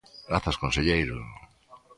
Grazas, conselleiro.